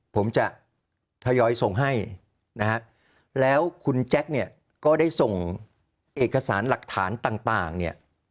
ผมจะทยอยส่งให้นะฮะแล้วคุณแจ็คเนี่ยก็ได้ส่งเอกสารหลักฐานต่างเนี่ย